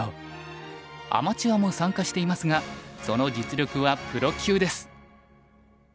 アマチュアも参加していますがその実力はプロ級です。